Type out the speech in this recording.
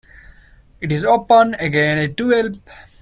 It is open again at twelve.